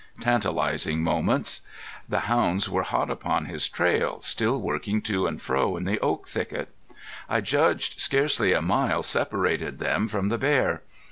Tantalizing moments! The hounds were hot upon his trail, still working to and fro in the oak thicket. I judged scarcely a mile separated them from the bear.